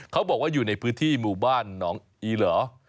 เขาบอกว่าอยู่ในพื้นที่หมู่บ้านหนองอีเหรอ